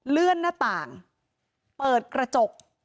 เลื่อนหน้าต่างเปิดกระจก